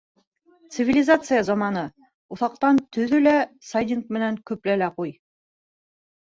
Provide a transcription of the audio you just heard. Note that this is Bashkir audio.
Цивилизация заманы: уҫаҡтан төҙө лә сайдинг менән көплә лә ҡуй.